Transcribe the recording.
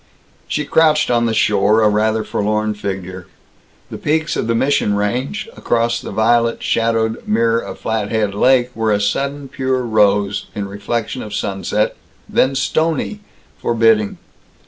She crouched on the shore, a rather forlorn figure. The peaks of the Mission Range, across the violet shadowed mirror of Flathead Lake, were a sudden pure rose, in reflection of sunset, then stony, forbidding.